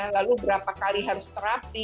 lalu berapa kali harus terapi